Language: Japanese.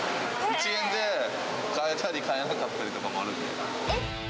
１円で買えたり、買えなかったりとかもあるんですね。